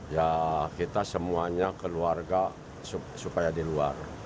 ya kita semuanya keluarga supaya di luar